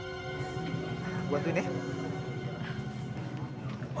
tuh buat ini ya